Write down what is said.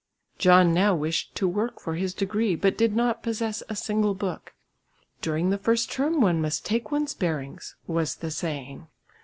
John now wished to work for his degree but did not possess a single book. "During the first term one must take one's bearings" was the saying.